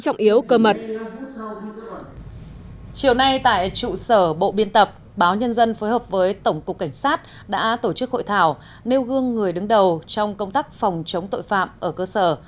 chiều nay tại trụ sở bộ biên tập báo nhân dân phối hợp với tổng cục cảnh sát đã tổ chức hội thảo nêu gương người đứng đầu trong công tác phòng chống tội phạm ở cơ sở